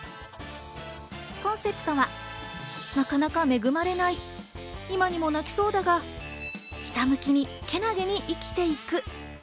コンセプトは、なかなか恵まれない、今にも泣きそうだが、ひたむきに健気に生きてゆく。